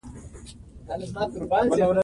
ازادي راډیو د بانکي نظام حالت په ډاګه کړی.